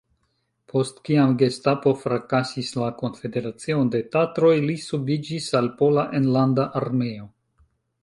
Post kiam gestapo frakasis la Konfederacion de Tatroj li subiĝis al Pola Enlanda Armeo.